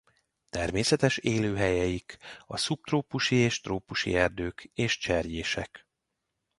Természetes élőhelyeik a szubtrópusi és trópusi erdők és cserjések.